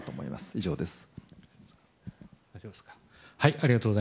以上です。